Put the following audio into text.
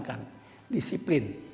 saya masih diberikan disiplin